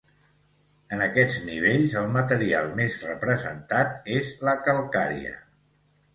En aquests nivells el material més representat és la calcària.